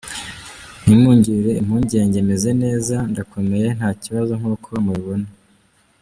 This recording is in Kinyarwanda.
Ntimungirire impungenge, meze neza, ndakomeye nta kibazo nk’uko mubibona.